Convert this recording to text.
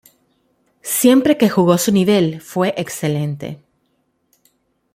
Siempre que jugó su nivel fue excelente.